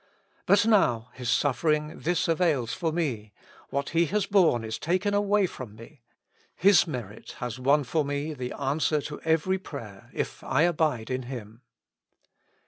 But now His suffering this avails for me : what He has borne is taken away from me ; His merit has won forme the answer to every prayer, if I abide in Him.